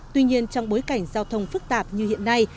tuy nhiên trong bối cảnh giao thông phức tạp như hiện nay